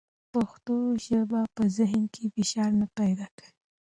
پښتو ژبه په ذهن کې فشار نه پیدا کوي.